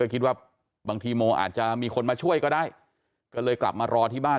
คิดว่าบางทีโมอาจจะมีคนมาช่วยก็ได้ก็เลยกลับมารอที่บ้าน